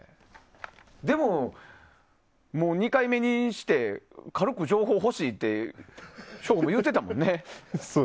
でも、２回目にして軽く情報を欲しいって省吾も言うてたもんね。